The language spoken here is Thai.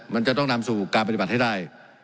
มันจะต้องนำสู่การปฏิบัติให้ได้